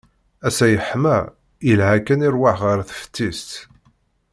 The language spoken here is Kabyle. Ass-a yeḥma, yelha kan i rrwaḥ ɣer teftist.